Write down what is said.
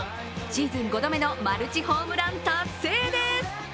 シーズン５度目のマルチホームラン達成です！